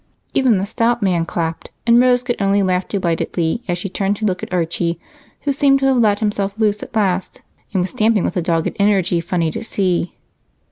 Even the stout man clapped, and Rose could only laugh delightedly as she turned to look at Archie, who seemed to have let himself loose at last and was stamping with a dogged energy funny to see.